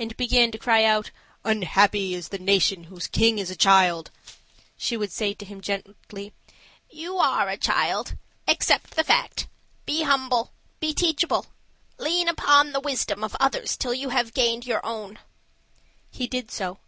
and began to cry out, "Un happy is the nation whose king is a child," she would say to him gently, "You are a child. Accept the fact. Be humble be teachable. Lean upon the wisdom of others till you have gained your own." He did so.